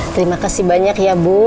terima kasih banyak ya bu